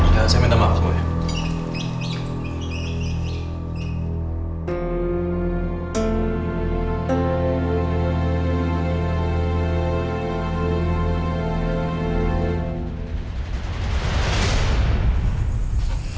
saya minta maaf semuanya